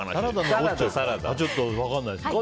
ちょっと分からないです。